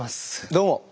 どうも。